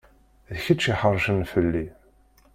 D kečč i iḥeṛcen fell-i.